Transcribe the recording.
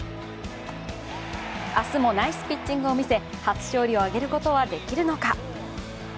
明日もナイスピッチングを見せ初勝利を挙げることはできるのか。